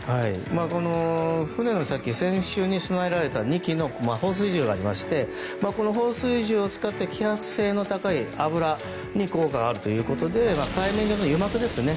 この船の先船首に備えられた２機の放水銃がありましてこの放水銃を使って揮発性の高い油に効果があるということで海面の油膜ですね